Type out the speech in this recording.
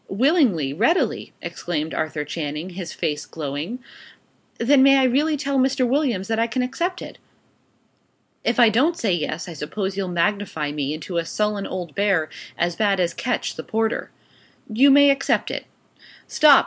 "Willingly readily!" exclaimed Arthur Channing, his face glowing. "Then may I really tell Mr. Williams that I can accept it?" "If I don't say yes, I suppose you'd magnify me into a sullen old bear, as bad as Ketch, the porter. You may accept it. Stop!"